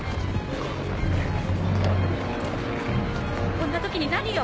こんな時に何よ！